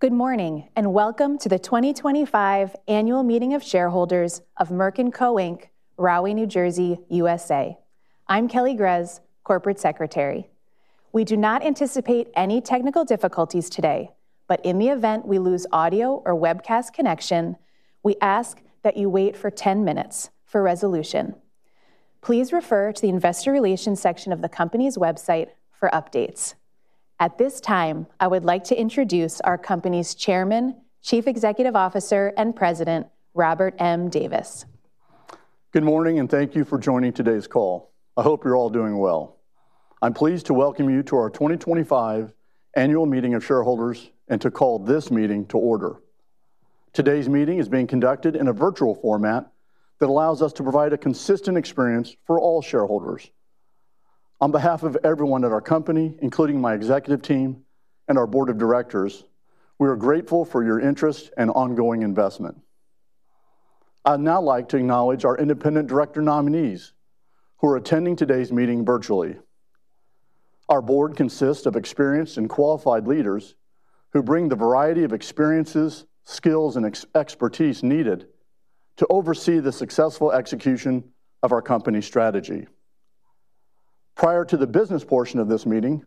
Good morning and welcome to the 2025 Annual Meeting of Shareholders of Merck & Co., Rahway, New Jersey, U.S. I'm Kelly Grez, Corporate Secretary. We do not anticipate any technical difficulties today, but in the event we lose audio or webcast connection, we ask that you wait for 10 minutes for resolution. Please refer to the Investor Relations section of the company's website for updates. At this time, I would like to introduce our company's Chairman, Chief Executive Officer, and President, Robert M. Davis. Good morning and thank you for joining today's call. I hope you're all doing well. I'm pleased to welcome you to our 2025 Annual Meeting of Shareholders and to call this meeting to order. Today's meeting is being conducted in a virtual format that allows us to provide a consistent experience for all shareholders. On behalf of everyone at our company, including my executive team Board of Directors, we are grateful for your interest and ongoing investment. I'd now like to acknowledge our independent director nominees who are attending today's meeting virtually. Our board consists of experienced and qualified leaders who bring the variety of experiences, skills, and expertise needed to oversee the successful execution of our company's strategy. Prior to the business portion of this meeting,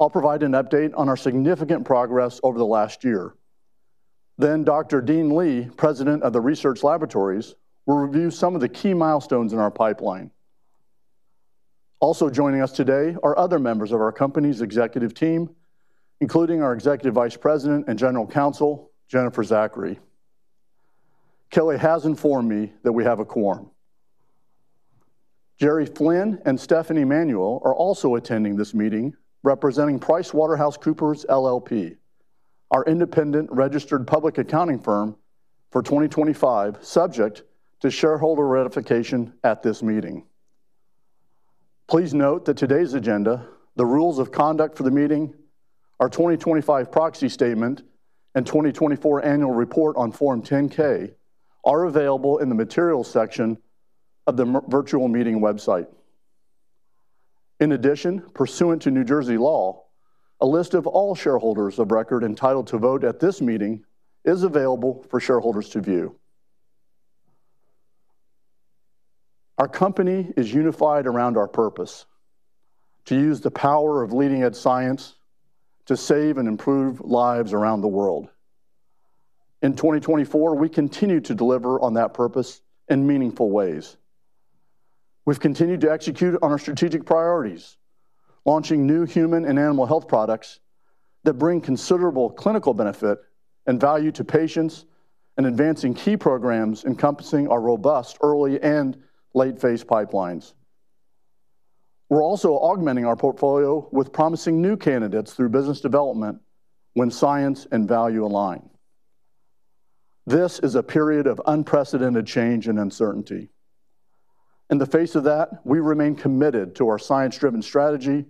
I'll provide an update on our significant progress over the last year. Then Dr. Dean Li, President of the Research Laboratories, will review some of the key milestones in our pipeline. Also joining us today are other members of our company's executive team, including our Executive Vice President and General Counsel, Jennifer Zachary. Kelly has informed me that we have a quorum. Jerry Flynn and Stephanie Manuel are also attending this meeting, representing PricewaterhouseCoopers LLP, our independent registered public accounting firm for 2025, subject to shareholder ratification at this meeting. Please note that today's agenda, the rules of conduct for the meeting, our 2025 proxy statement, and 2024 Annual Report on Form 10-K are available in the materials section of the virtual meeting website. In addition, pursuant to New Jersey law, a list of all shareholders of record entitled to vote at this meeting is available for shareholders to view. Our company is unified around our purpose: to use the power of leading-edge science to save and improve lives around the world. In 2024, we continue to deliver on that purpose in meaningful ways. We've continued to execute on our strategic priorities, launching new human and animal health products that bring considerable clinical benefit and value to patients and advancing key programs encompassing our robust early and late-phase pipelines. We're also augmenting our portfolio with promising new candidates through business development when science and value align. This is a period of unprecedented change and uncertainty. In the face of that, we remain committed to our science-driven strategy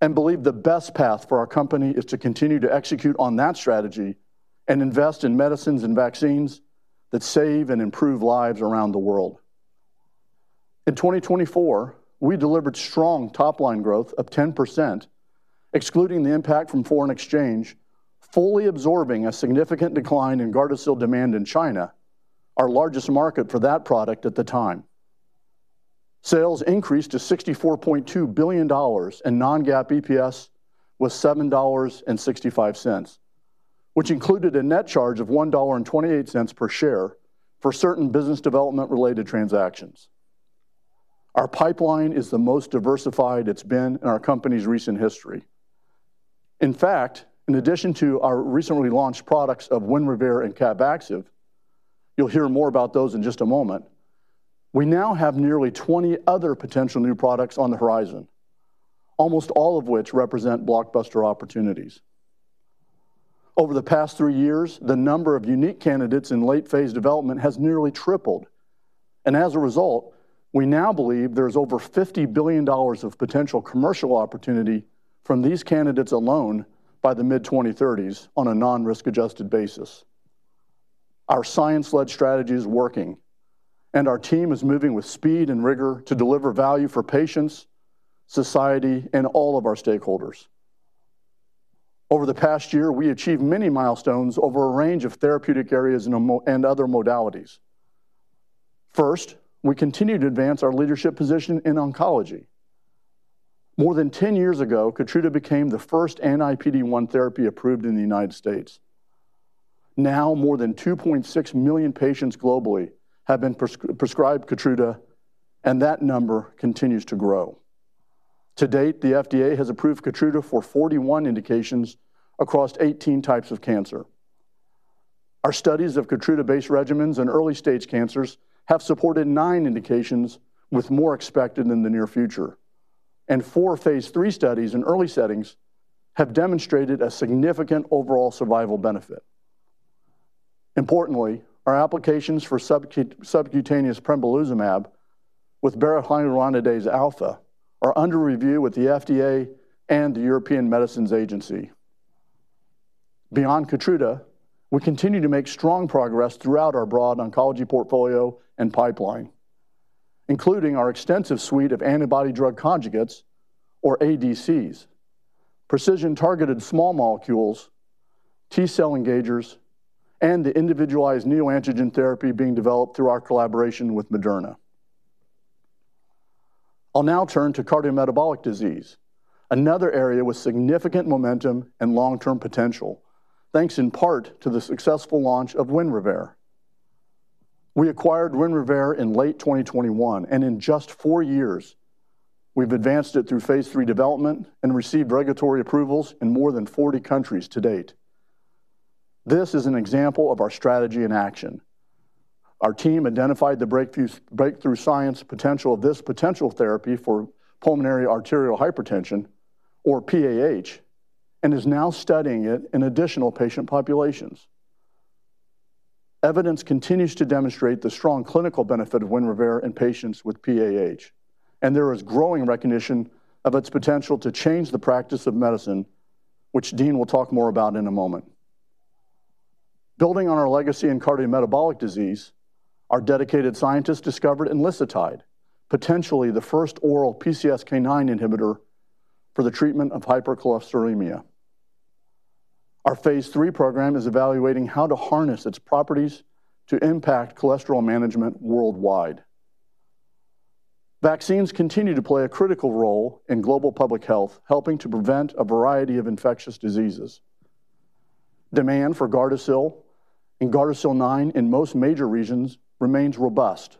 and believe the best path for our company is to continue to execute on that strategy and invest in medicines and vaccines that save and improve lives around the world. In 2024, we delivered strong top-line growth of 10%, excluding the impact from foreign exchange, fully absorbing a significant decline in Gardasil demand in China, our largest market for that product at the time. Sales increased to $64.2 billion in non-GAAP EPS with $7.65, which included a net charge of $1.28 per share for certain business development-related transactions. Our pipeline is the most diversified it's been in our company's recent history. In fact, in addition to our recently launched products of WINREVAIR and CAPVAXIVE, you'll hear more about those in just a moment, we now have nearly 20 other potential new products on the horizon, almost all of which represent blockbuster opportunities. Over the past three years, the number of unique candidates in late-phase development has nearly tripled, and as a result, we now believe there is over $50 billion of potential commercial opportunity from these candidates alone by the mid-2030s on a non-risk-adjusted basis. Our science-led strategy is working, and our team is moving with speed and rigor to deliver value for patients, society, and all of our stakeholders. Over the past year, we achieved many milestones over a range of therapeutic areas and other modalities. First, we continue to advance our leadership position in oncology. More than 10 years ago, Keytruda became the first anti-PD-1 therapy approved in the U.S. Now, more than 2.6 million patients globally have been prescribed Keytruda, and that number continues to grow. To date, the FDA has approved Keytruda for 41 indications across 18 types of cancer. Our studies of Keytruda-based regimens in early-stage cancers have supported nine indications with more expected in the near future, and four phase III studies in early settings have demonstrated a significant overall survival benefit. Importantly, our applications for subcutaneous pembrolizumab with barotrionidase alpha are under review with the FDA and the European Medicines Agency. Beyond Keytruda, we continue to make strong progress throughout our broad oncology portfolio and pipeline, including our extensive suite of antibody-drug conjugates, or ADCs, precision-targeted small molecules, T-cell engagers, and the individualized neoantigen therapy being developed through our collaboration with Moderna. I'll now turn to cardiometabolic disease, another area with significant momentum and long-term potential, thanks in part to the successful launch of WINREVAIR. We acquired WINREVAIR in late 2021, and in just four years, we've advanced it through phase III development and received regulatory approvals in more than 40 countries to date. This is an example of our strategy in action. Our team identified the breakthrough science potential of this potential therapy for pulmonary arterial hypertension, or PAH, and is now studying it in additional patient populations. Evidence continues to demonstrate the strong clinical benefit of WINREVAIR in patients with PAH, and there is growing recognition of its potential to change the practice of medicine, which Dean will talk more about in a moment. Building on our legacy in cardiometabolic disease, our dedicated scientists discovered enlicitide, potentially the first oral PCSK9 inhibitor for the treatment of hypercholesterolemia. Our phase III program is evaluating how to harness its properties to impact cholesterol management worldwide. Vaccines continue to play a critical role in global public health, helping to prevent a variety of infectious diseases. Demand for Gardasil and Gardasil-9 in most major regions remains robust.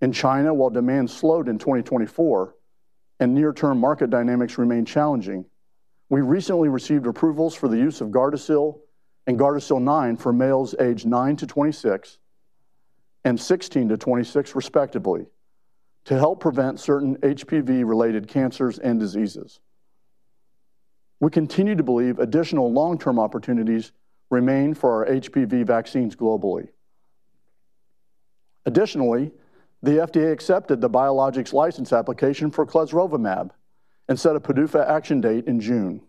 In China, while demand slowed in 2024 and near-term market dynamics remain challenging, we recently received approvals for the use of Gardasil and Gardasil-9 for males aged 9-26 and 16-26, respectively, to help prevent certain HPV-related cancers and diseases. We continue to believe additional long-term opportunities remain for our HPV vaccines globally. Additionally, the FDA accepted the biologics license application for Clesrovimab and set a PDUFA action date in June.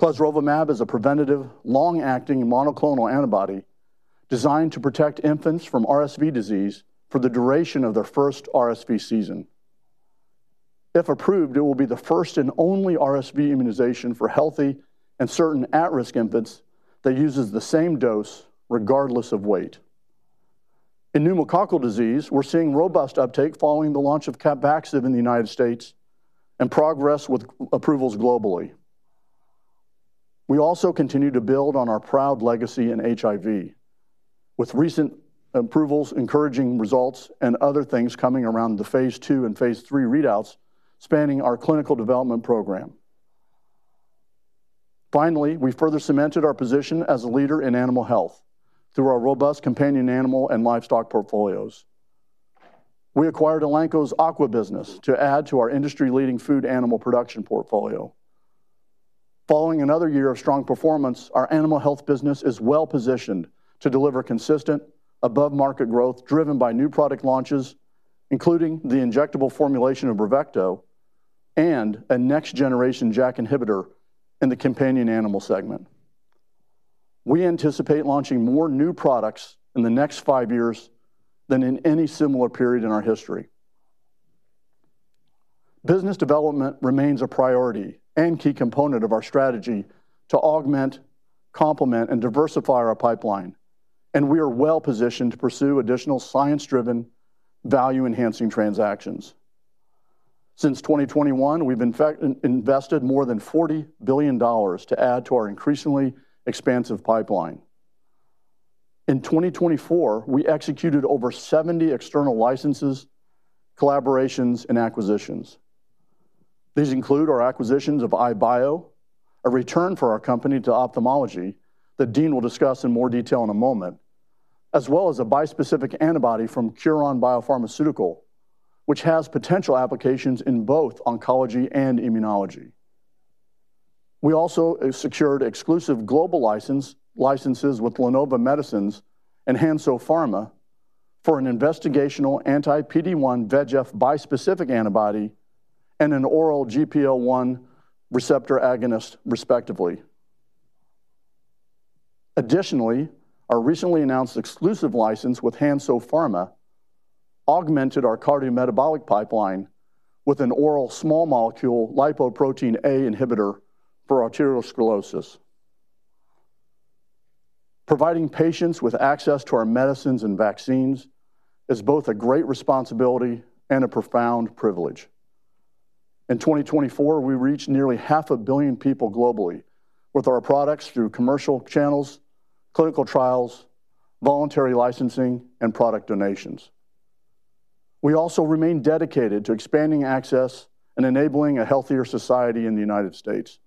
Clesrovimab is a preventative, long-acting monoclonal antibody designed to protect infants from RSV disease for the duration of their first RSV season. If approved, it will be the first and only RSV immunization for healthy and certain at-risk infants that uses the same dose regardless of weight. In pneumococcal disease, we're seeing robust uptake following the launch of CAPVAXIVE in the United States and progress with approvals globally. We also continue to build on our proud legacy in HIV, with recent approvals, encouraging results, and other things coming around the phase II and phase III readouts spanning our clinical development program. Finally, we've further cemented our position as a leader in animal health through our robust companion animal and livestock portfolios. We acquired Elanco's Aqua Business to add to our industry-leading food animal production portfolio. Following another year of strong performance, our animal health business is well-positioned to deliver consistent, above-market growth driven by new product launches, including the injectable formulation of Brevecto and a next-generation JAK inhibitor in the companion animal segment. We anticipate launching more new products in the next five years than in any similar period in our history. Business development remains a priority and key component of our strategy to augment, complement, and diversify our pipeline, and we are well-positioned to pursue additional science-driven, value-enhancing transactions. Since 2021, we've invested more than $40 billion to add to our increasingly expansive pipeline. In 2024, we executed over 70 external licenses, collaborations, and acquisitions. These include our acquisitions of iBio, a return for our company to ophthalmology that Dean will discuss in more detail in a moment, as well as a bispecific antibody from Curon Biopharmaceutical, which has potential applications in both oncology and immunology. We also secured exclusive global licenses with Lenovo Medicines and Hansoh Pharma for an investigational anti-PD-1 VEGF bispecific antibody and an oral GLP-1 receptor agonist, respectively. Additionally, our recently announced exclusive license with Hansoh Pharma augmented our cardiometabolic pipeline with an oral small molecule lipoprotein A inhibitor for arteriosclerosis. Providing patients with access to our medicines and vaccines is both a great responsibility and a profound privilege. In 2024, we reached nearly half a billion people globally with our products through commercial channels, clinical trials, voluntary licensing, and product donations. We also remain dedicated to expanding access and enabling a healthier society in the United States.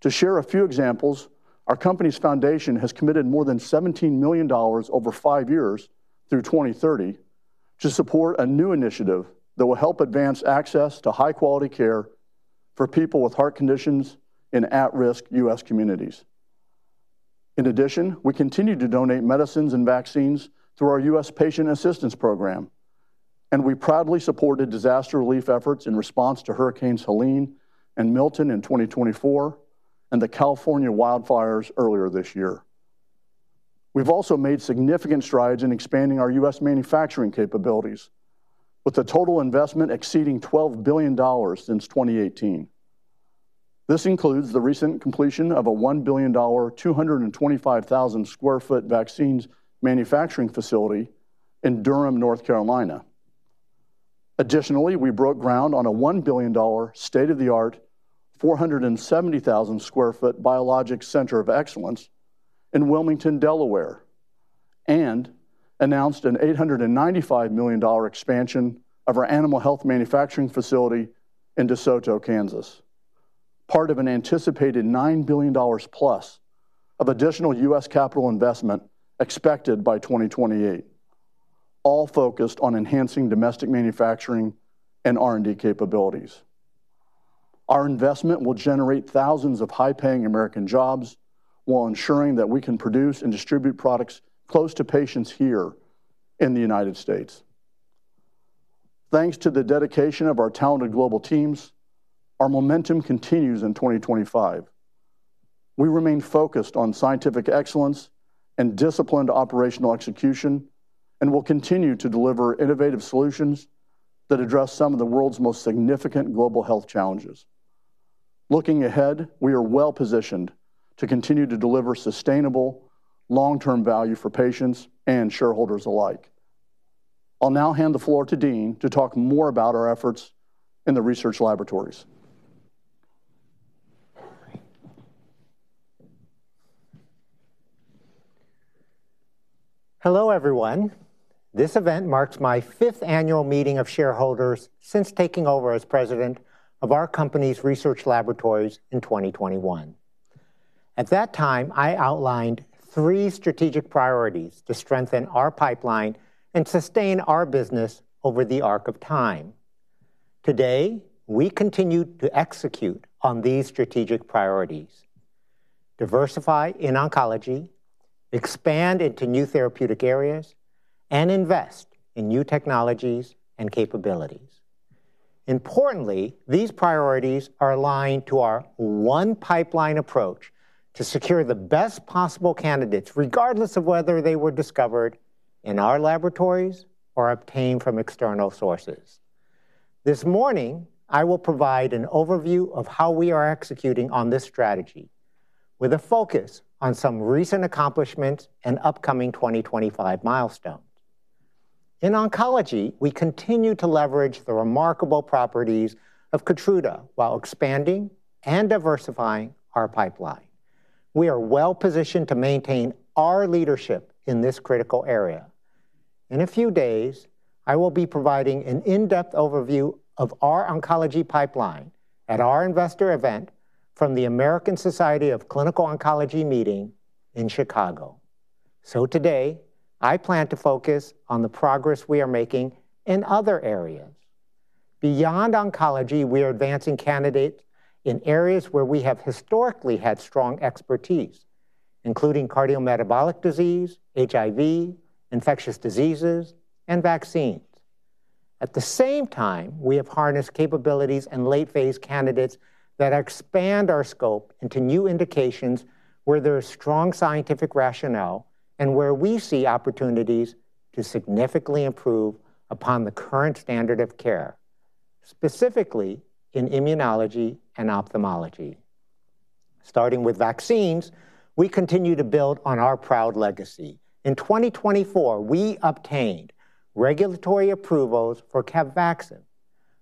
To share a few examples, our company's foundation has committed more than $17 million over five years through 2030 to support a new initiative that will help advance access to high-quality care for people with heart conditions in at-risk U.S. communities. In addition, we continue to donate medicines and vaccines through our U.S. Patient Assistance Program, and we proudly supported disaster relief efforts in response to Hurricanes Helene and Milton in 2024 and the California wildfires earlier this year. We've also made significant strides in expanding our U.S. manufacturing capabilities, with a total investment exceeding $12 billion since 2018. This includes the recent completion of a $1 billion, 225,000 sq ft vaccines manufacturing facility in Durham, North Carolina. Additionally, we broke ground on a $1 billion, state-of-the-art, 470,000 sq ft biologics center of excellence in Wilmington, Delaware, and announced an $895 million expansion of our animal health manufacturing facility in DeSoto, Kansas, part of an anticipated $9 billion-plus of additional U.S. capital investment expected by 2028, all focused on enhancing domestic manufacturing and R&D capabilities. Our investment will generate thousands of high-paying American jobs while ensuring that we can produce and distribute products close to patients here in the United States. Thanks to the dedication of our talented global teams, our momentum continues in 2025. We remain focused on scientific excellence and disciplined operational execution and will continue to deliver innovative solutions that address some of the world's most significant global health challenges. Looking ahead, we are well-positioned to continue to deliver sustainable, long-term value for patients and shareholders alike. I'll now hand the floor to Dean to talk more about our efforts in the research laboratories. Hello, everyone. This event marks my fifth annual meeting of shareholders since taking over as president of our company's research laboratories in 2021. At that time, I outlined three strategic priorities to strengthen our pipeline and sustain our business over the arc of time. Today, we continue to execute on these strategic priorities: diversify in oncology, expand into new therapeutic areas, and invest in new technologies and capabilities. Importantly, these priorities are aligned to our one-pipeline approach to secure the best possible candidates, regardless of whether they were discovered in our laboratories or obtained from external sources. This morning, I will provide an overview of how we are executing on this strategy, with a focus on some recent accomplishments and upcoming 2025 milestones. In oncology, we continue to leverage the remarkable properties of Keytruda while expanding and diversifying our pipeline. We are well-positioned to maintain our leadership in this critical area. In a few days, I will be providing an in-depth overview of our oncology pipeline at our investor event from the American Society of Clinical Oncology meeting in Chicago. Today, I plan to focus on the progress we are making in other areas. Beyond oncology, we are advancing candidates in areas where we have historically had strong expertise, including cardiometabolic disease, HIV, infectious diseases, and vaccines. At the same time, we have harnessed capabilities in late-phase candidates that expand our scope into new indications where there is strong scientific rationale and where we see opportunities to significantly improve upon the current standard of care, specifically in immunology and ophthalmology. Starting with vaccines, we continue to build on our proud legacy. In 2024, we obtained regulatory approvals for CAPVAXIVE,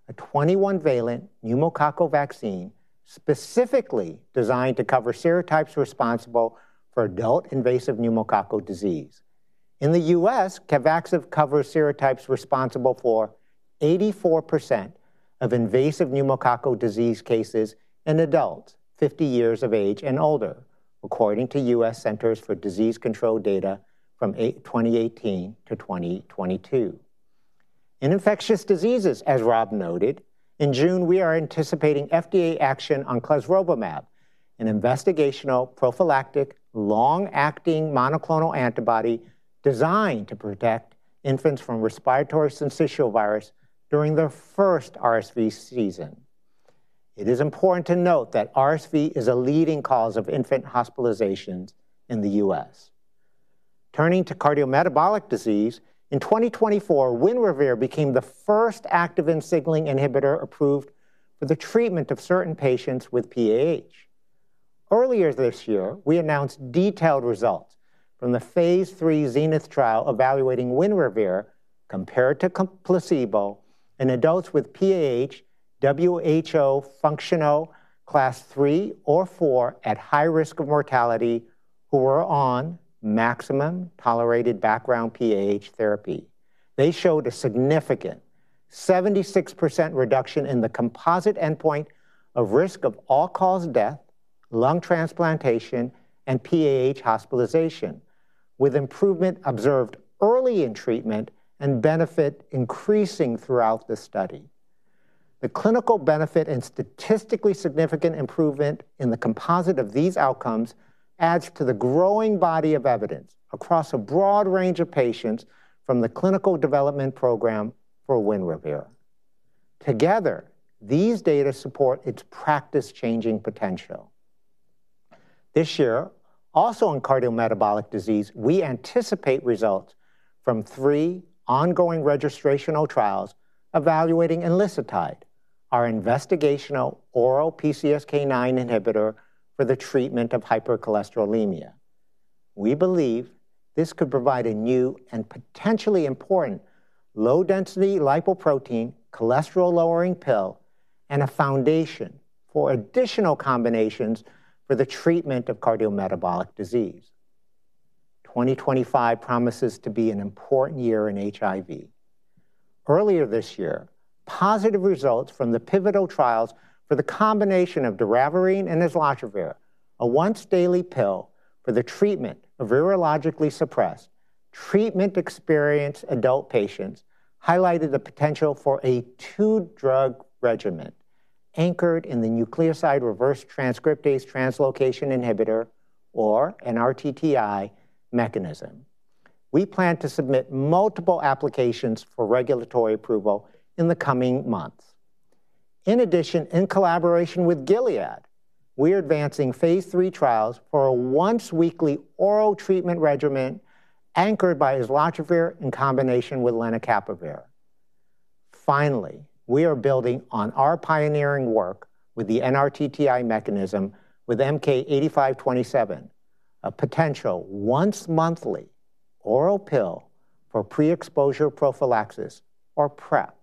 a 21-valent pneumococcal vaccine specifically designed to cover serotypes responsible for adult invasive pneumococcal disease. In the U.S., CAPVAXIVE covers serotypes responsible for 84% of invasive pneumococcal disease cases in adults 50 years of age and older, according to U.S. Centers for Disease Control data from 2018 to 2022. In infectious diseases, as Rob noted, in June, we are anticipating FDA action on clesrovimab, an investigational prophylactic long-acting monoclonal antibody designed to protect infants from respiratory syncytial virus during their first RSV season. It is important to note that RSV is a leading cause of infant hospitalizations in the U.S. Turning to cardiometabolic disease, in 2024, WINREVAIR became the first activin signaling inhibitor approved for the treatment of certain patients with PAH. Earlier this year, we announced detailed results from the phase III Zenith trial evaluating WINREVAIR compared to placebo in adults with PAH, WHO functional class III or IV at high risk of mortality who were on maximum tolerated background PAH therapy. They showed a significant 76% reduction in the composite endpoint of risk of all-cause death, lung transplantation, and PAH hospitalization, with improvement observed early in treatment and benefit increasing throughout the study. The clinical benefit and statistically significant improvement in the composite of these outcomes adds to the growing body of evidence across a broad range of patients from the clinical development program for WINREVAIR. Together, these data support its practice-changing potential. This year, also in cardiometabolic disease, we anticipate results from three ongoing registrational trials evaluating Enlicitide, our investigational oral PCSK9 inhibitor for the treatment of hypercholesterolemia. We believe this could provide a new and potentially important low-density lipoprotein cholesterol-lowering pill and a foundation for additional combinations for the treatment of cardiometabolic disease. 2025 promises to be an important year in HIV. Earlier this year, positive results from the pivotal trials for the combination of Doravirine and Islatravir, a once-daily pill for the treatment of virologically suppressed treatment experienced adult patients, highlighted the potential for a two-drug regimen anchored in the nucleoside reverse transcriptase translocation inhibitor, or NRTTI, mechanism. We plan to submit multiple applications for regulatory approval in the coming months. In addition, in collaboration with Gilead, we are advancing phase III trials for a once-weekly oral treatment regimen anchored by Islatravir in combination with Lenacapavir. Finally, we are building on our pioneering work with the NRTTI mechanism with MK-8527, a potential once-monthly oral pill for pre-exposure prophylaxis, or PrEP.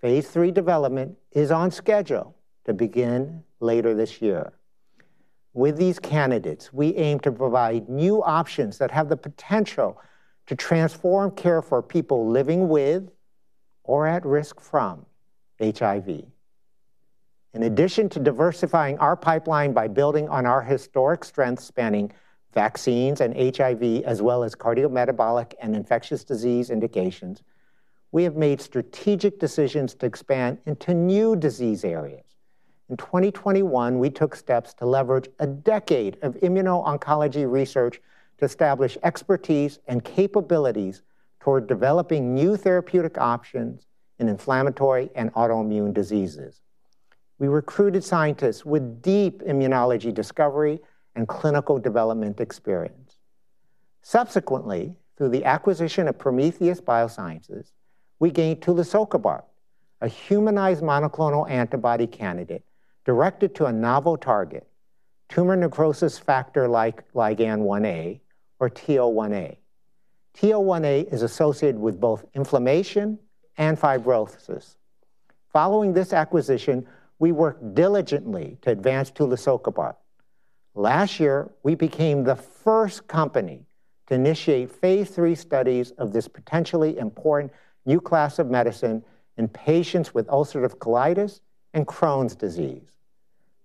Phase III development is on schedule to begin later this year. With these candidates, we aim to provide new options that have the potential to transform care for people living with or at risk from HIV. In addition to diversifying our pipeline by building on our historic strength spanning vaccines and HIV, as well as cardiometabolic and infectious disease indications, we have made strategic decisions to expand into new disease areas. In 2021, we took steps to leverage a decade of immuno-oncology research to establish expertise and capabilities toward developing new therapeutic options in inflammatory and autoimmune diseases. We recruited scientists with deep immunology discovery and clinical development experience. Subsequently, through the acquisition of Prometheus Biosciences, we gained tulisokibart, a humanized monoclonal antibody candidate directed to a novel target, tumor necrosis factor-like ligand 1A or TL1A. TL1A is associated with both inflammation and fibrosis. Following this acquisition, we worked diligently to advance tulisokibart. Last year, we became the first company to initiate phase III studies of this potentially important new class of medicine in patients with ulcerative colitis and Crohn's disease.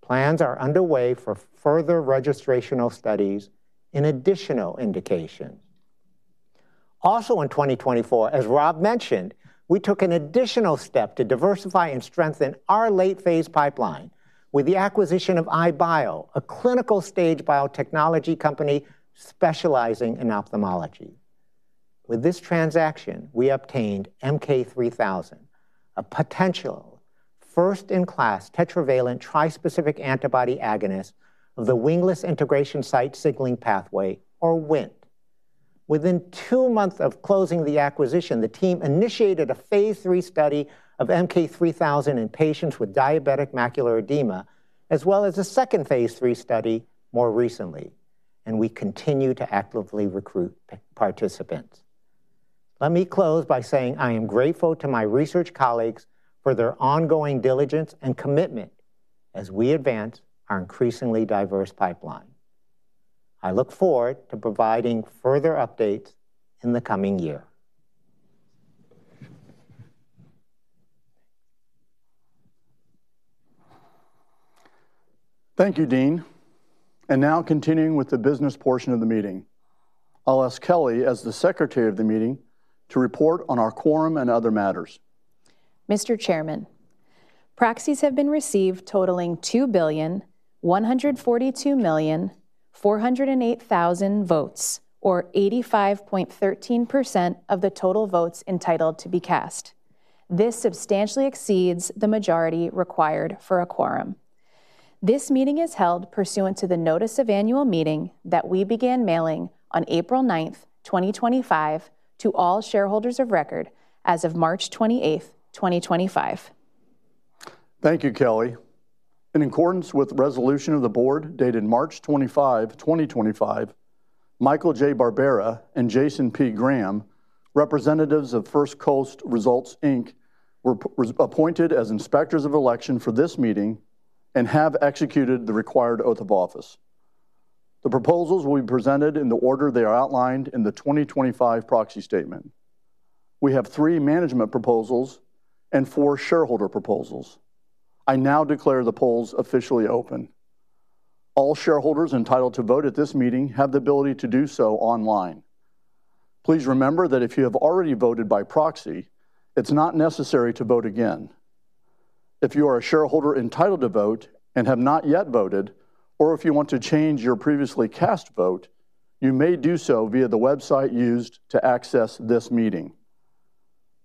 Plans are underway for further registrational studies in additional indications. Also in 2024, as Rob mentioned, we took an additional step to diversify and strengthen our late-phase pipeline with the acquisition of iBio, a clinical-stage biotechnology company specializing in ophthalmology. With this transaction, we obtained MK-3000, a potential first-in-class tetravalent tri-specific antibody agonist of the Wingless Integration Site Signaling pathway or WNT. Within two months of closing the acquisition, the team initiated a phase III study of MK-3000 in patients with diabetic macular edema, as well as a second phase III study more recently, and we continue to actively recruit participants. Let me close by saying I am grateful to my research colleagues for their ongoing diligence and commitment as we advance our increasingly diverse pipeline. I look forward to providing further updates in the coming year. Thank you, Dean. Now, continuing with the business portion of the meeting, I'll ask Kelly, as the Secretary of the meeting, to report on our quorum and other matters. Mr. Chairman, proxies have been received totaling 2,142,408,000 votes, or 85.13% of the total votes entitled to be cast. This substantially exceeds the majority required for a quorum. This meeting is held pursuant to the notice of annual meeting that we began mailing on April 9th, 2025, to all shareholders of record as of March 28th, 2025. Thank you, Kelly. In accordance with the resolution of the board dated March 25, 2025, Michael J. Barbera and Jason P. Graham, representatives of First Coast Results Inc., were appointed as inspectors of election for this meeting and have executed the required oath of office. The proposals will be presented in the order they are outlined in the 2025 proxy statement. We have three management proposals and four shareholder proposals. I now declare the polls officially open. All shareholders entitled to vote at this meeting have the ability to do so online. Please remember that if you have already voted by proxy, it's not necessary to vote again. If you are a shareholder entitled to vote and have not yet voted, or if you want to change your previously cast vote, you may do so via the website used to access this meeting.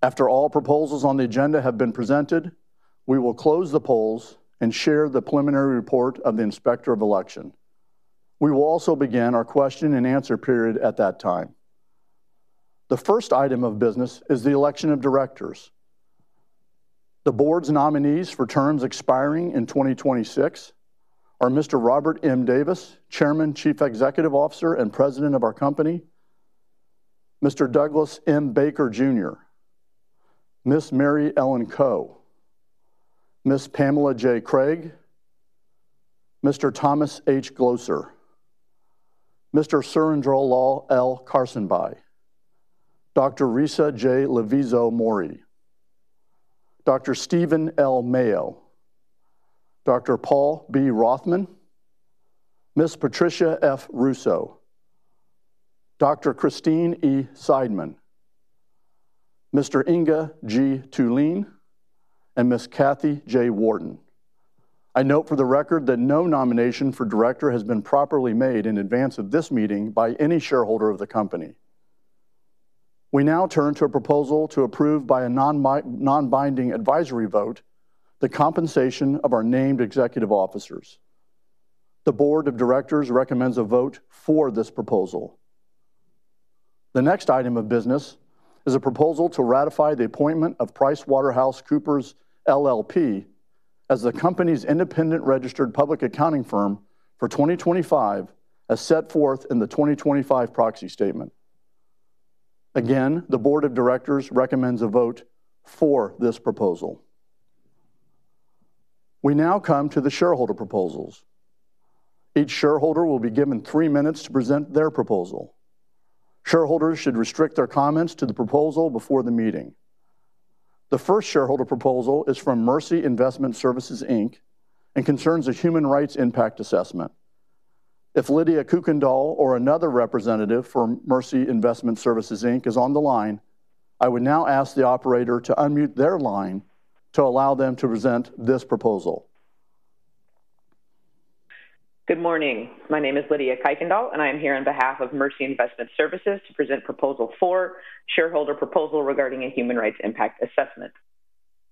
After all proposals on the agenda have been presented, we will close the polls and share the preliminary report of the inspector of election. We will also begin our question-and-answer period at that time. The first item of business is the election of directors. The board's nominees for terms expiring in 2026 are Mr. Robert M. Davis, Chairman, Chief Executive Officer, and President of our company; Mr. Douglas M. Baker Jr.; Ms. Mary Ellen Coe; Ms. Pamela J. Craig; Mr. Thomas H. Glocer; Mr. Surrendralal L. Karsanbhai; Dr. Risa J. Lavizzo-Mourey; Dr. Steven L. Mayo; Dr. Paul B. Rothman; Ms. Patricia F. Russo; Dr. Christine E. Seidman; Mr. Inge G. Thulin; and Ms. Kathy J. Warden. I note for the record that no nomination for director has been properly made in advance of this meeting by any shareholder of the company. We now turn to a proposal to approve by a non-binding advisory vote the compensation of our named executive Board of Directors recommends a vote for this proposal. The next item of business is a proposal to ratify the appointment of PricewaterhouseCoopers LLP as the company's independent registered public accounting firm for 2025, as set forth in the 2025 proxy statement. Board of Directors recommends a vote for this proposal. We now come to the shareholder proposals. Each shareholder will be given three minutes to present their proposal. Shareholders should restrict their comments to the proposal before the meeting. The first shareholder proposal is from Mercy Investment Services Inc. and concerns a human rights impact assessment. If Lydia Kuykendal or another representative for Mercy Investment Services, Inc. is on the line, I would now ask the operator to unmute their line to allow them to present this proposal. Good morning. My name is Lydia Kuykendal, and I am here on behalf of Mercy Investment Services to present proposal four, shareholder proposal regarding a human rights impact assessment.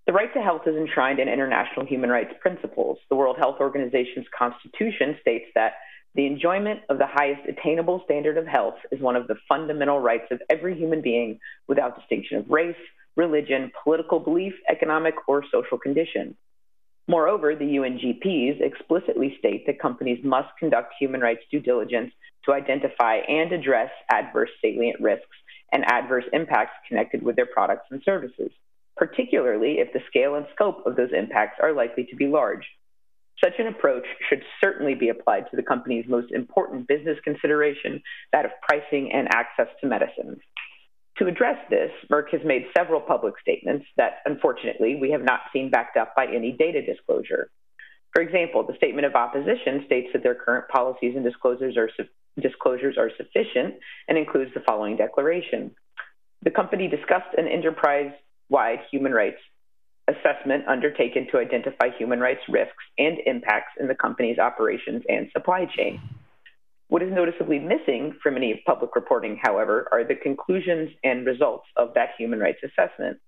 The right to health is enshrined in international human rights principles. The World Health Organization's constitution states that the enjoyment of the highest attainable standard of health is one of the fundamental rights of every human being without distinction of race, religion, political belief, economic, or social condition. Moreover, the UNGPs explicitly state that companies must conduct human rights due diligence to identify and address adverse salient risks and adverse impacts connected with their products and services, particularly if the scale and scope of those impacts are likely to be large. Such an approach should certainly be applied to the company's most important business consideration, that of pricing and access to medicines. To address this, Merck has made several public statements that, unfortunately, we have not seen backed up by any data disclosure. For example, the statement of opposition states that their current policies and disclosures are sufficient and includes the following declaration: "The company discussed an enterprise-wide human rights assessment undertaken to identify human rights risks and impacts in the company's operations and supply chain." What is noticeably missing from any public reporting, however, are the conclusions and results of that human rights assessment.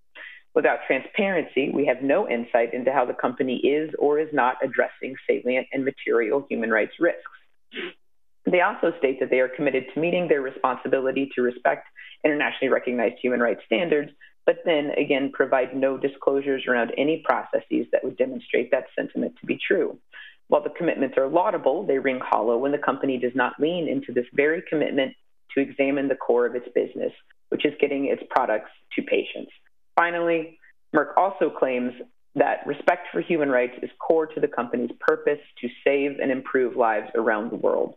Without transparency, we have no insight into how the company is or is not addressing salient and material human rights risks. They also state that they are committed to meeting their responsibility to respect internationally recognized human rights standards, but then again provide no disclosures around any processes that would demonstrate that sentiment to be true. While the commitments are laudable, they ring hollow when the company does not lean into this very commitment to examine the core of its business, which is getting its products to patients. Finally, Merck also claims that respect for human rights is core to the company's purpose to save and improve lives around the world.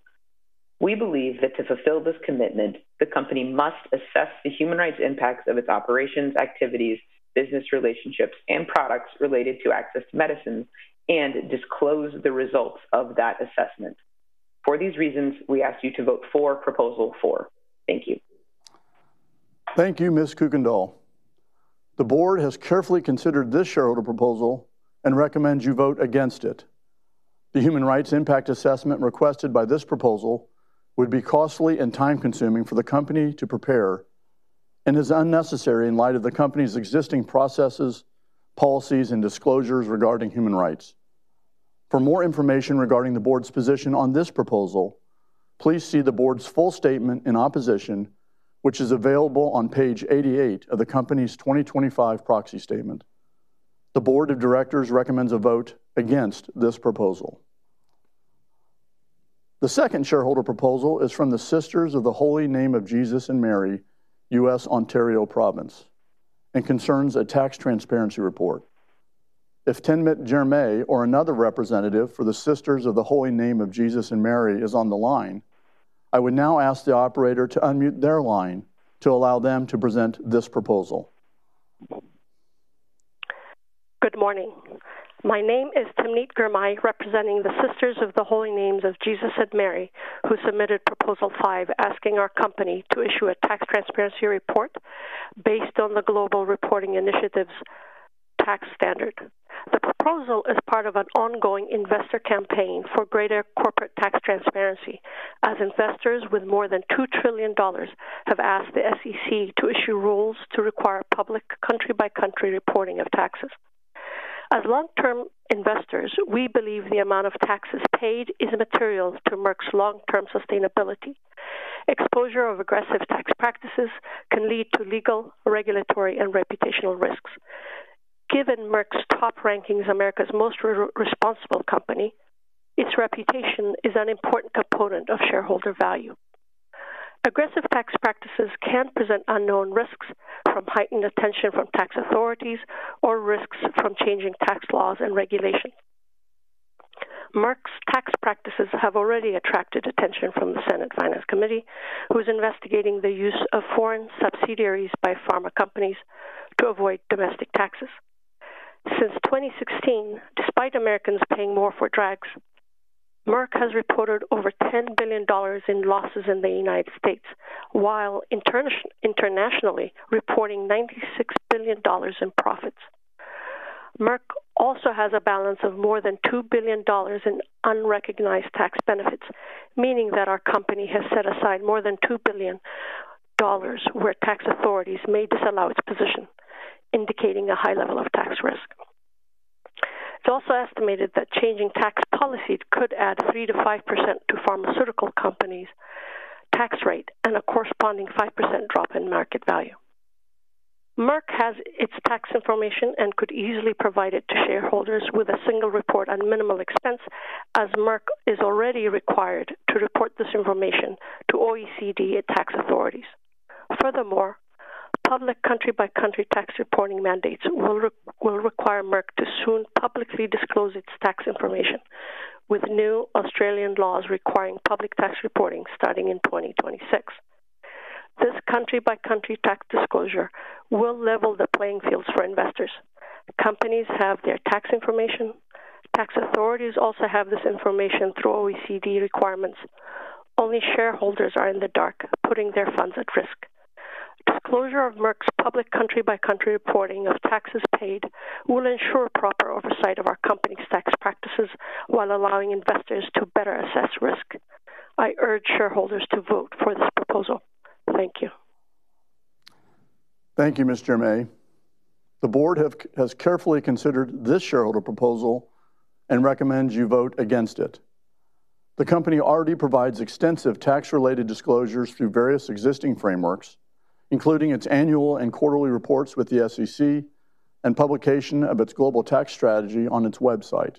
We believe that to fulfill this commitment, the company must assess the human rights impacts of its operations, activities, business relationships, and products related to access to medicines and disclose the results of that assessment. For these reasons, we ask you to vote for proposal four. Thank you. Thank you, Ms. Kuykendal. The board has carefully considered this shareholder proposal and recommends you vote against it. The human rights impact assessment requested by this proposal would be costly and time-consuming for the company to prepare and is unnecessary in light of the company's existing processes, policies, and disclosures regarding human rights. For more information regarding the board's position on this proposal, please see the board's full statement in opposition, which is available on page 88 of the company's 2025 proxy Board of Directors recommends a vote against this proposal. The second shareholder proposal is from the Sisters of the Holy Names of Jesus and Mary, U.S. Ontario Province, and concerns a tax transparency report. If Ten Mitt Germaine or another representative for the Sisters of the Holy Names of Jesus and Mary is on the line, I would now ask the operator to unmute their line to allow them to present this proposal. Good morning. My name is Ten Mitt Germaine, representing the Sisters of the Holy Names of Jesus and Mary, who submitted proposal five asking our company to issue a tax transparency report based on the Global Reporting Initiative's tax standard. The proposal is part of an ongoing investor campaign for greater corporate tax transparency, as investors with more than $2 trillion have asked the SEC to issue rules to require public country-by-country reporting of taxes. As long-term investors, we believe the amount of taxes paid is material to Merck's long-term sustainability. Exposure of aggressive tax practices can lead to legal, regulatory, and reputational risks. Given Merck's top ranking as America's most responsible company, its reputation is an important component of shareholder value. Aggressive tax practices can present unknown risks from heightened attention from tax authorities or risks from changing tax laws and regulations. Merck's tax practices have already attracted attention from the Senate Finance Committee, who is investigating the use of foreign subsidiaries by pharma companies to avoid domestic taxes. Since 2016, despite Americans paying more for drugs, Merck has reported over $10 billion in losses in the United States, while internationally reporting $96 billion in profits. Merck also has a balance of more than $2 billion in unrecognized tax benefits, meaning that our company has set aside more than $2 billion, where tax authorities may disallow its position, indicating a high level of tax risk. It's also estimated that changing tax policies could add 3-5% to pharmaceutical companies' tax rate and a corresponding 5% drop in market value. Merck has its tax information and could easily provide it to shareholders with a single report on minimal expense, as Merck is already required to report this information to OECD and tax authorities. Furthermore, public country-by-country tax reporting mandates will require Merck to soon publicly disclose its tax information, with new Australian laws requiring public tax reporting starting in 2026. This country-by-country tax disclosure will level the playing field for investors. Companies have their tax information. Tax authorities also have this information through OECD requirements. Only shareholders are in the dark, putting their funds at risk. Disclosure of Merck's public country-by-country reporting of taxes paid will ensure proper oversight of our company's tax practices while allowing investors to better assess risk. I urge shareholders to vote for this proposal. Thank you. Thank you, Ms. Germaine. The board has carefully considered this shareholder proposal and recommends you vote against it. The company already provides extensive tax-related disclosures through various existing frameworks, including its annual and quarterly reports with the SEC and publication of its global tax strategy on its website.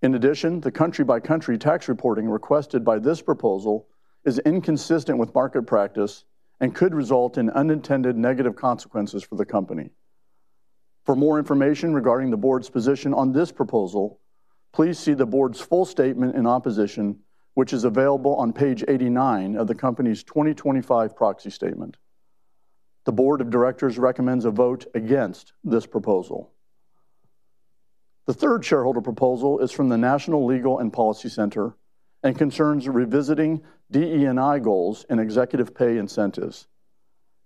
In addition, the country-by-country tax reporting requested by this proposal is inconsistent with market practice and could result in unintended negative consequences for the company. For more information regarding the board's position on this proposal, please see the board's full statement in opposition, which is available on page 89 of the company's 2025 proxy Board of Directors recommends a vote against this proposal. The third shareholder proposal is from the National Legal and Policy Center and concerns revisiting DE&I goals and executive pay incentives.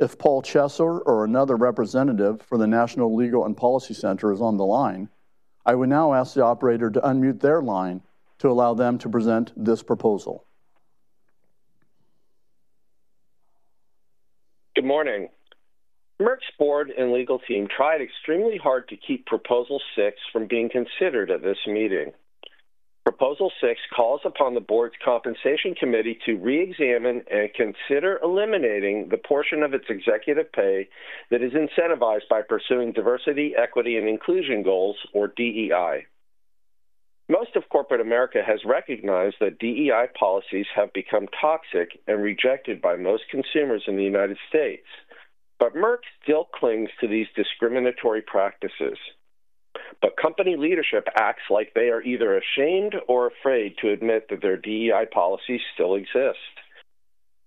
If Paul Chesser or another representative for the National Legal and Policy Center is on the line, I would now ask the operator to unmute their line to allow them to present this proposal. Good morning. Merck's board and legal team tried extremely hard to keep proposal six from being considered at this meeting. Proposal six calls upon the board's compensation committee to re-examine and consider eliminating the portion of its executive pay that is incentivized by pursuing diversity, equity, and inclusion goals, or DEI. Most of corporate America has recognized that DEI policies have become toxic and rejected by most consumers in the United States, but Merck still clings to these discriminatory practices. Company leadership acts like they are either ashamed or afraid to admit that their DEI policies still exist.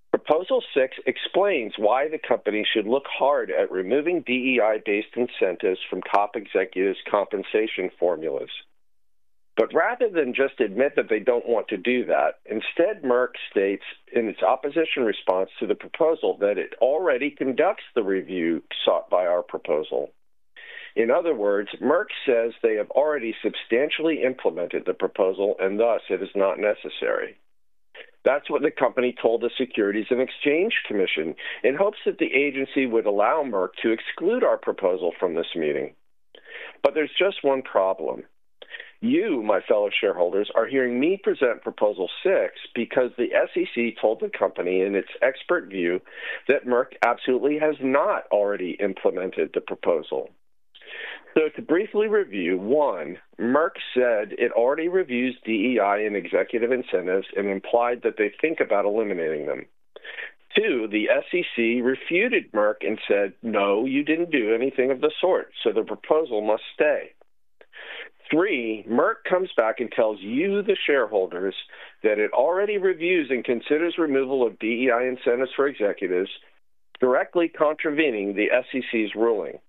Proposal six explains why the company should look hard at removing DEI-based incentives from top executives' compensation formulas. Rather than just admit that they do not want to do that, instead, Merck states in its opposition response to the proposal that it already conducts the review sought by our proposal. In other words, Merck says they have already substantially implemented the proposal and thus it is not necessary. That is what the company told the Securities and Exchange Commission in hopes that the agency would allow Merck to exclude our proposal from this meeting. There is just one problem. You, my fellow shareholders, are hearing me present proposal six because the SEC told the company in its expert view that Merck absolutely has not already implemented the proposal. To briefly review, one, Merck said it already reviews DE&I and executive incentives and implied that they think about eliminating them. Two, the SEC refuted Merck and said, "No, you did not do anything of the sort, so the proposal must stay." Three, Merck comes back and tells you, the shareholders, that it already reviews and considers removal of DE&I incentives for executives, directly contravening the SEC's ruling.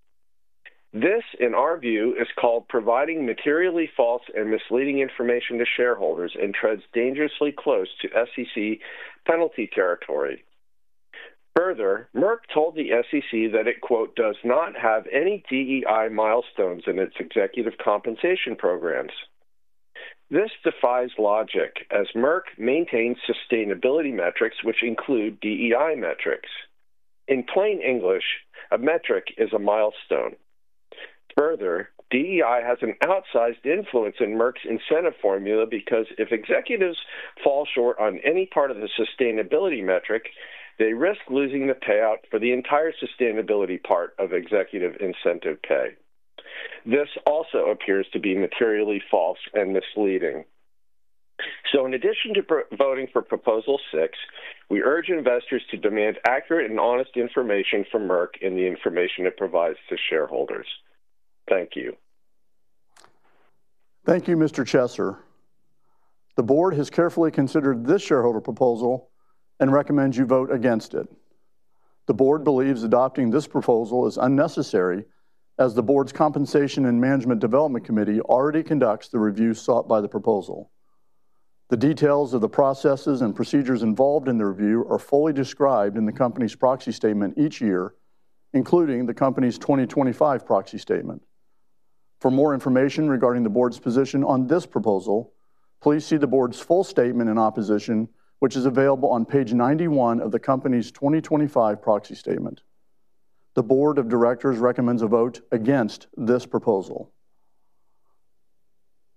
This, in our view, is called providing materially false and misleading information to shareholders and treads dangerously close to SEC penalty territory. Further, Merck told the SEC that it, quote, "does not have any DEI milestones in its executive compensation programs." This defies logic as Merck maintains sustainability metrics, which include DEI metrics. In plain English, a metric is a milestone. Further, DEI has an outsized influence in Merck's incentive formula because if executives fall short on any part of the sustainability metric, they risk losing the payout for the entire sustainability part of executive incentive pay. This also appears to be materially false and misleading. In addition to voting for proposal six, we urge investors to demand accurate and honest information from Merck in the information it provides to shareholders. Thank you. Thank you, Mr. Chesser. The board has carefully considered this shareholder proposal and recommends you vote against it. The board believes adopting this proposal is unnecessary as the board's Compensation and Management Development Committee already conducts the review sought by the proposal. The details of the processes and procedures involved in the review are fully described in the company's proxy statement each year, including the company's 2025 proxy statement. For more information regarding the board's position on this proposal, please see the board's full statement in opposition, which is available on page 91 of the company's 2025 proxy Board of Directors recommends a vote against this proposal.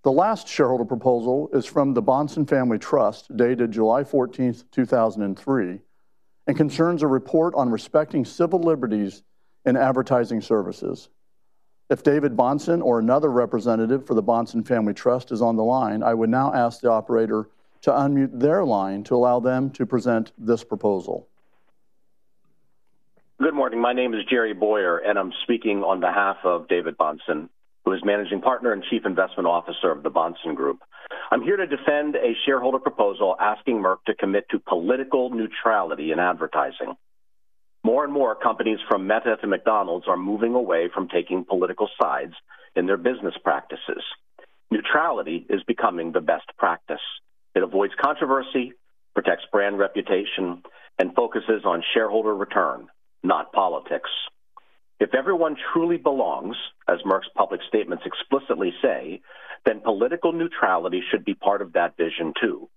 The last shareholder proposal is from the Bahnsen Family Trust, dated July 14th, 2003, and concerns a report on respecting civil liberties in advertising services. If David Bahnsen or another representative for the Bahnsen Family Trust is on the line, I would now ask the operator to unmute their line to allow them to present this proposal. Good morning. My name is Jerry Bowyer, and I'm speaking on behalf of David Bahnsen, who is managing partner and chief investment officer of the Bahnsen Group. I'm here to defend a shareholder proposal asking Merck to commit to political neutrality in advertising. More and more companies from Met and McDonald's are moving away from taking political sides in their business practices. Neutrality is becoming the best practice. It avoids controversy, protects brand reputation, and focuses on shareholder return, not politics. If everyone truly belongs, as Merck's public statements explicitly say, then political neutrality should be part of that vision too,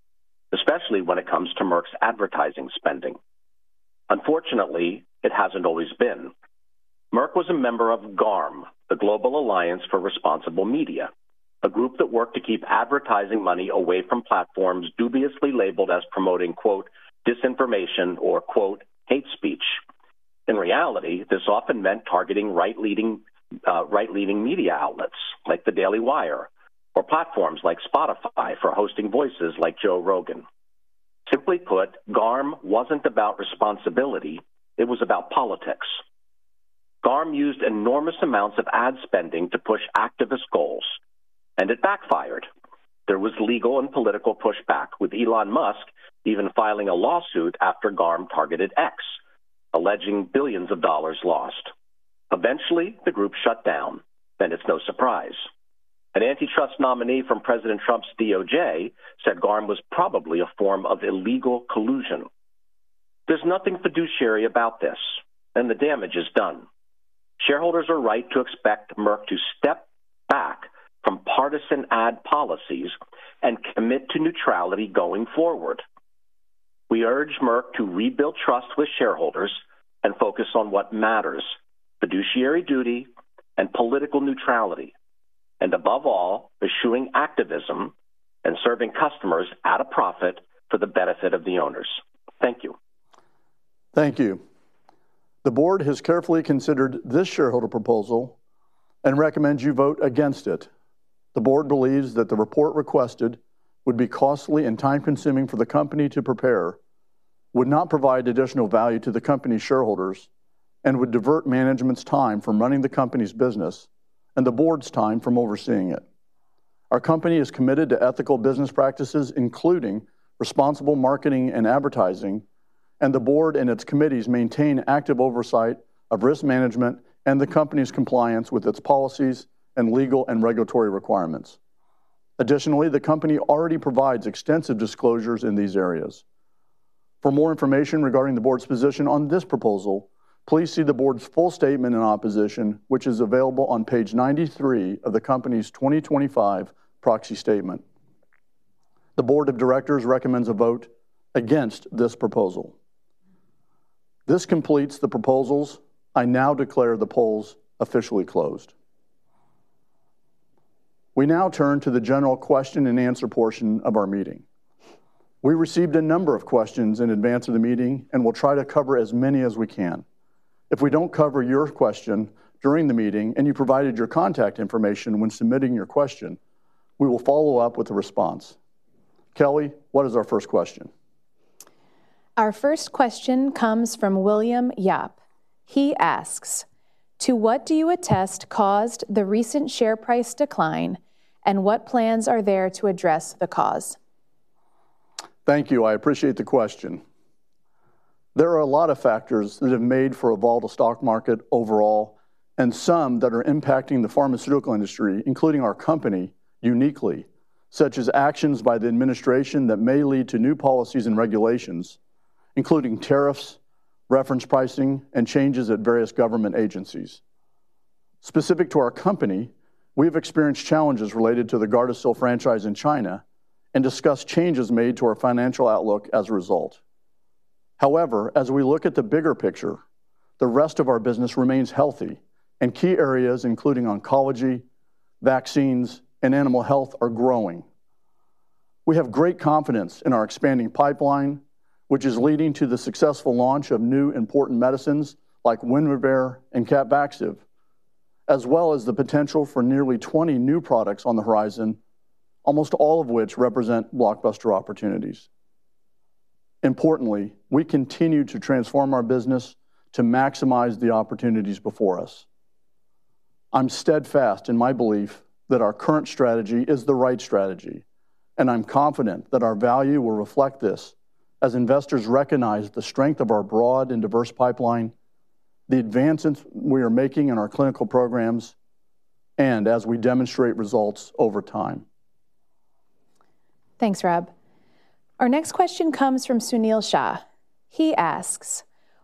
especially when it comes to Merck's advertising spending. Unfortunately, it hasn't always been. Merck was a member of GARM, the Global Alliance for Responsible Media, a group that worked to keep advertising money away from platforms dubiously labeled as promoting, quote, "disinformation" or, quote, "hate speech." In reality, this often meant targeting right-leaning media outlets like the Daily Wire or platforms like Spotify for hosting voices like Joe Rogan. Simply put, GARM was not about responsibility; it was about politics. GARM used enormous amounts of ad spending to push activist goals, and it backfired. There was legal and political pushback, with Elon Musk even filing a lawsuit after GARM targeted X, alleging billions of dollars lost. Eventually, the group shut down, and it is no surprise. An antitrust nominee from President Trump's DOJ said GARM was probably a form of illegal collusion. There is nothing fiduciary about this, and the damage is done. Shareholders are right to expect Merck to step back from partisan ad policies and commit to neutrality going forward. We urge Merck to rebuild trust with shareholders and focus on what matters: fiduciary duty and political neutrality, and above all, eschewing activism and serving customers at a profit for the benefit of the owners. Thank you. Thank you. The board has carefully considered this shareholder proposal and recommends you vote against it. The board believes that the report requested would be costly and time-consuming for the company to prepare, would not provide additional value to the company's shareholders, and would divert management's time from running the company's business and the board's time from overseeing it. Our company is committed to ethical business practices, including responsible marketing and advertising, and the board and its committees maintain active oversight of risk management and the company's compliance with its policies and legal and regulatory requirements. Additionally, the company already provides extensive disclosures in these areas. For more information regarding the board's position on this proposal, please see the board's full statement in opposition, which is available on page 93 of the company's 2025 proxy Board of Directors recommends a vote against this proposal. This completes the proposals. I now declare the polls officially closed. We now turn to the general question and answer portion of our meeting. We received a number of questions in advance of the meeting and will try to cover as many as we can. If we don't cover your question during the meeting and you provided your contact information when submitting your question, we will follow up with a response. Kelly, what is our first question? Our first question comes from William Yap. He asks, "To what do you attest caused the recent share price decline, and what plans are there to address the cause? Thank you. I appreciate the question. There are a lot of factors that have made for a volatile stock market overall and some that are impacting the pharmaceutical industry, including our company uniquely, such as actions by the administration that may lead to new policies and regulations, including tariffs, reference pricing, and changes at various government agencies. Specific to our company, we have experienced challenges related to the Gardasil franchise in China and discussed changes made to our financial outlook as a result. However, as we look at the bigger picture, the rest of our business remains healthy, and key areas, including oncology, vaccines, and animal health, are growing. We have great confidence in our expanding pipeline, which is leading to the successful launch of new important medicines like WINREVAIR and CAPVAXIVE, as well as the potential for nearly 20 new products on the horizon, almost all of which represent blockbuster opportunities. Importantly, we continue to transform our business to maximize the opportunities before us. I'm steadfast in my belief that our current strategy is the right strategy, and I'm confident that our value will reflect this as investors recognize the strength of our broad and diverse pipeline, the advancements we are making in our clinical programs, and as we demonstrate results over time. Thanks, Rob. Our next question comes from Sunil Shah. He asks,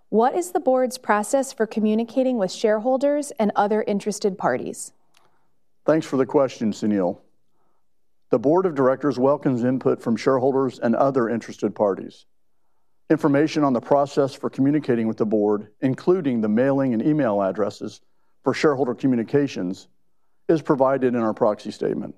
"What is the board's process for communicating with shareholders and other interested parties? Thanks for the question, Board of Directors welcomes input from shareholders and other interested parties. Information on the process for communicating with the board, including the mailing and email addresses for shareholder communications, is provided in our proxy statement.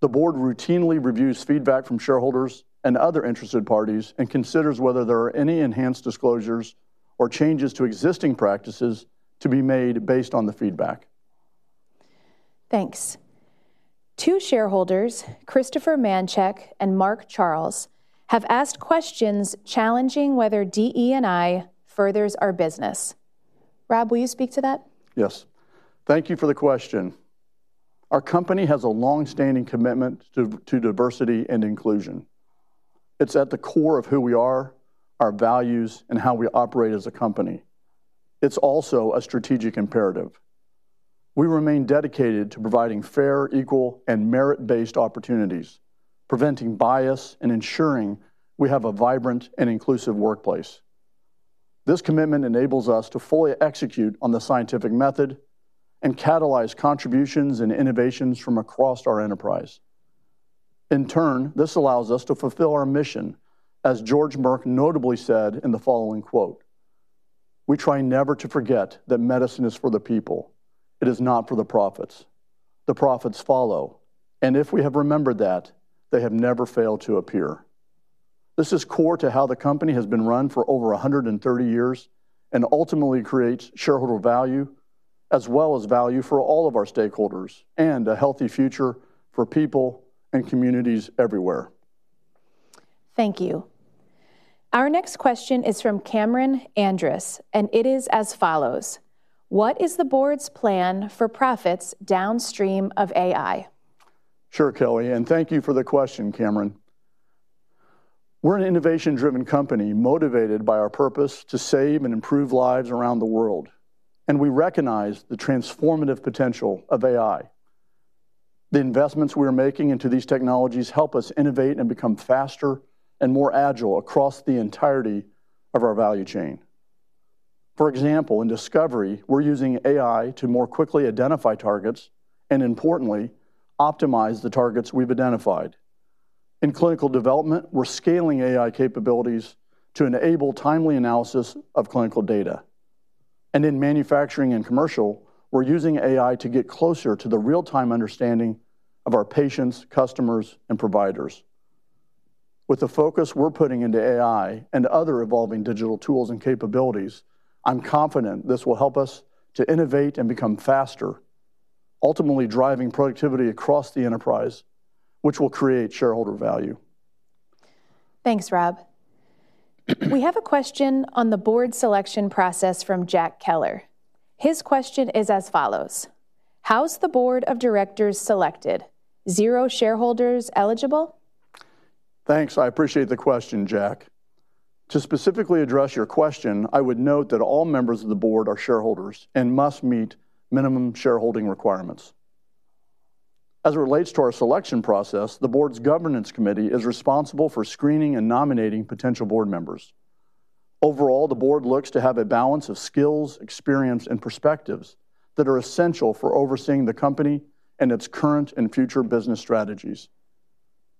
The board routinely reviews feedback from shareholders and other interested parties and considers whether there are any enhanced disclosures or changes to existing practices to be made based on the feedback. Thanks. Two shareholders, Christopher Mancheck and Mark Charles, have asked questions challenging whether DE&I furthers our business. Rob, will you speak to that? Yes. Thank you for the question. Our company has a long-standing commitment to diversity and inclusion. It's at the core of who we are, our values, and how we operate as a company. It's also a strategic imperative. We remain dedicated to providing fair, equal, and merit-based opportunities, preventing bias, and ensuring we have a vibrant and inclusive workplace. This commitment enables us to fully execute on the scientific method and catalyze contributions and innovations from across our enterprise. In turn, this allows us to fulfill our mission, as George Merck notably said in the following quote, "We try never to forget that medicine is for the people. It is not for the profits. The profits follow, and if we have remembered that, they have never failed to appear. This is core to how the company has been run for over 130 years and ultimately creates shareholder value as well as value for all of our stakeholders and a healthy future for people and communities everywhere. Thank you. Our next question is from Cameron Andrus, and it is as follows: "What is the board's plan for profits downstream of AI? Sure, Kelly, and thank you for the question, Cameron. We're an innovation-driven company motivated by our purpose to save and improve lives around the world, and we recognize the transformative potential of AI. The investments we are making into these technologies help us innovate and become faster and more agile across the entirety of our value chain. For example, in discovery, we're using AI to more quickly identify targets and, importantly, optimize the targets we've identified. In clinical development, we're scaling AI capabilities to enable timely analysis of clinical data. In manufacturing and commercial, we're using AI to get closer to the real-time understanding of our patients, customers, and providers. With the focus we're putting into AI and other evolving digital tools and capabilities, I'm confident this will help us to innovate and become faster, ultimately driving productivity across the enterprise, which will create shareholder value. Thanks, Rob. We have a question on the board selection process from Jack Keller. His question is as follows: Board of Directors selected? zero shareholders eligible? Thanks. I appreciate the question, Jack. To specifically address your question, I would note that all members of the board are shareholders and must meet minimum shareholding requirements. As it relates to our selection process, the board's governance committee is responsible for screening and nominating potential board members. Overall, the board looks to have a balance of skills, experience, and perspectives that are essential for overseeing the company and its current and future business strategies.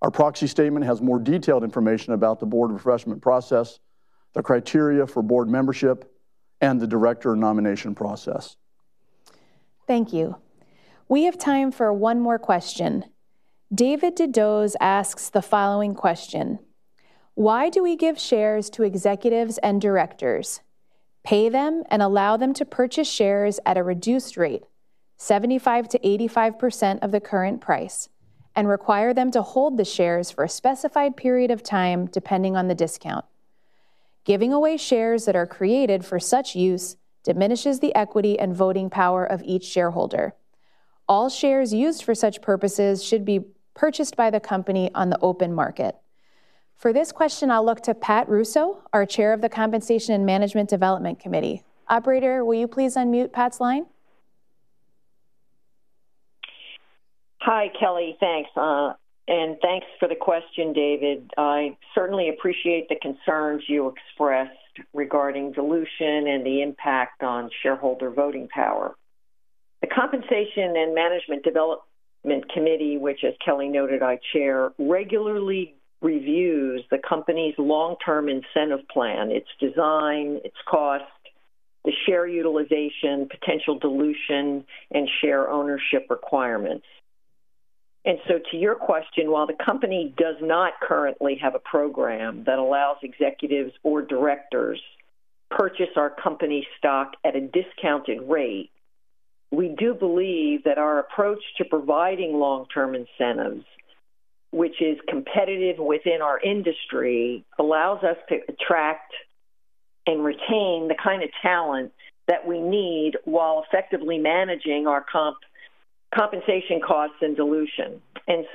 Our proxy statement has more detailed information about the board refreshment process, the criteria for board membership, and the director nomination process. Thank you. We have time for one more question. David DeDoes asks the following question: "Why do we give shares to executives and directors, pay them and allow them to purchase shares at a reduced rate, 75%-85% of the current price, and require them to hold the shares for a specified period of time depending on the discount? Giving away shares that are created for such use diminishes the equity and voting power of each shareholder. All shares used for such purposes should be purchased by the company on the open market." For this question, I'll look to Pat Russo, our Chair of the Compensation and Management Development Committee. Operator, will you please unmute Pat's line? Hi, Kelly. Thanks. And thanks for the question, David. I certainly appreciate the concerns you expressed regarding dilution and the impact on shareholder voting power. The Compensation and Management Development Committee, which, as Kelly noted, I chair, regularly reviews the company's long-term incentive plan, its design, its cost, the share utilization, potential dilution, and share ownership requirements. To your question, while the company does not currently have a program that allows executives or directors to purchase our company stock at a discounted rate, we do believe that our approach to providing long-term incentives, which is competitive within our industry, allows us to attract and retain the kind of talent that we need while effectively managing our compensation costs and dilution.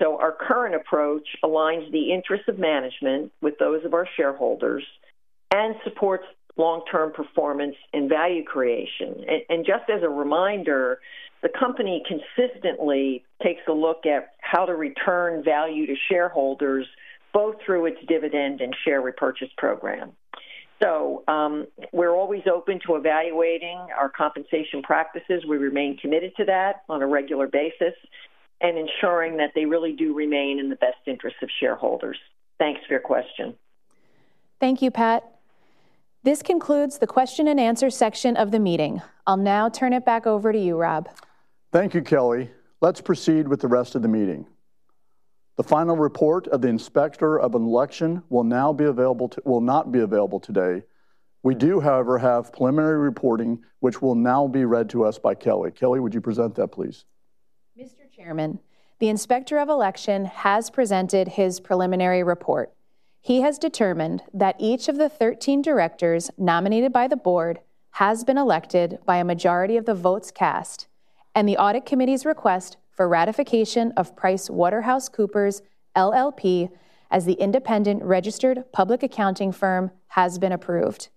Our current approach aligns the interests of management with those of our shareholders and supports long-term performance and value creation. Just as a reminder, the company consistently takes a look at how to return value to shareholders both through its dividend and share repurchase program. We are always open to evaluating our compensation practices. We remain committed to that on a regular basis and ensuring that they really do remain in the best interests of shareholders. Thanks for your question. Thank you, Pat. This concludes the question and answer section of the meeting. I'll now turn it back over to you, Rob. Thank you, Kelly. Let's proceed with the rest of the meeting. The final report of the inspector of election will not be available today. We do, however, have preliminary reporting, which will now be read to us by Kelly. Kelly, would you present that, please? Mr. Chairman, the inspector of election has presented his preliminary report. He has determined that each of the 13 directors nominated by the board has been elected by a majority of the votes cast, and the Audit Committee's request for ratification of PricewaterhouseCoopers LLP as the independent registered public accounting firm has been approved.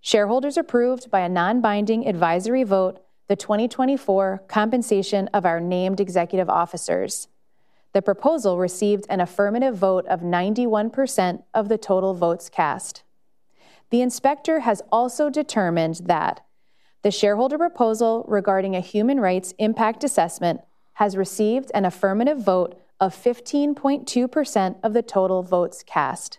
Shareholders approved by a non-binding advisory vote the 2024 compensation of our named executive officers. The proposal received an affirmative vote of 91% of the total votes cast. The inspector has also determined that the shareholder proposal regarding a human rights impact assessment has received an affirmative vote of 15.2% of the total votes cast.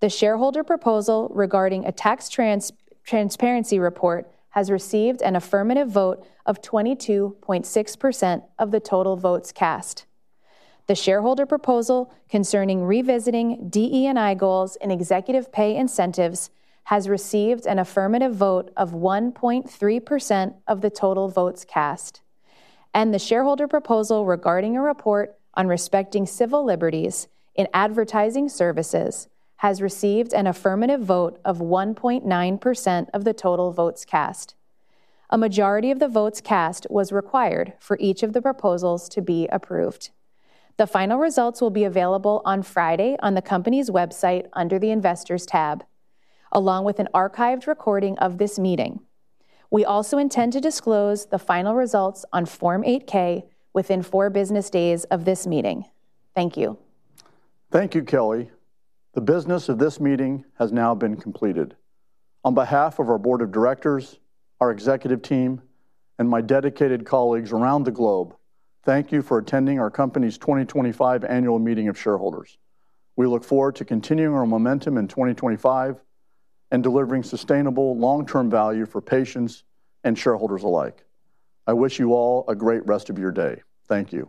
The shareholder proposal regarding a tax transparency report has received an affirmative vote of 22.6% of the total votes cast. The shareholder proposal concerning revisiting DE&I goals and executive pay incentives has received an affirmative vote of 1.3% of the total votes cast. The shareholder proposal regarding a report on respecting civil liberties in advertising services has received an affirmative vote of 1.9% of the total votes cast. A majority of the votes cast was required for each of the proposals to be approved. The final results will be available on Friday on the company's website under the investors tab, along with an archived recording of this meeting. We also intend to disclose the final results on Form 8K within four business days of this meeting. Thank you. Thank you, Kelly. The business of this meeting has now been completed. On behalf Board of Directors, our executive team, and my dedicated colleagues around the globe, thank you for attending our company's 2025 annual meeting of shareholders. We look forward to continuing our momentum in 2025 and delivering sustainable long-term value for patients and shareholders alike. I wish you all a great rest of your day. Thank you.